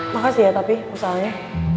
makasih ya tapi usahanya